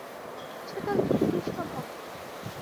সে তো একজন কৃষ্ণভক্ত।